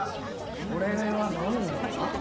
これは何だ？